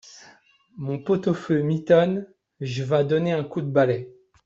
Mon pot-au-feu mitonne… j’vas donner un coup de balai.